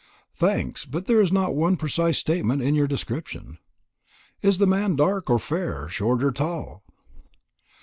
"Thanks; but there is not one precise statement in your description. Is the man dark or fair short or tall?"